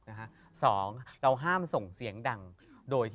พี่ยังไม่ได้เลิกแต่พี่ยังไม่ได้เลิก